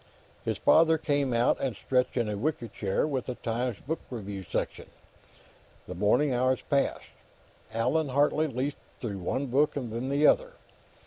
His father came out and stretched in a wicker chair with the Times book review section. The morning hours passed. Allan Hartley leafed through one book and then the other.